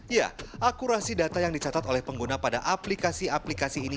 ya akurasi data yang dicatat oleh pengguna pada aplikasi aplikasi ini